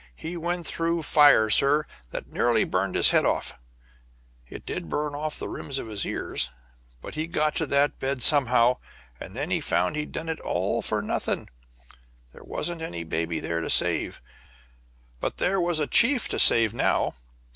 He went through fire, sir, that nearly burned his head off it did burn off the rims of his ears but he got to that bed somehow, and then he found he'd done it all for nothing. There wasn't any baby there to save. "But there was a chief to save now.